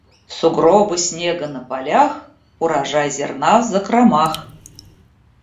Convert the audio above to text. Сугробы снега на полях - урожай зерна в закромах.